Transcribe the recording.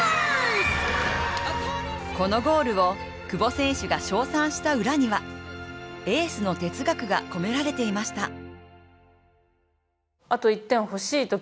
このゴールを久保選手が称賛した裏にはエースの哲学が込められていました。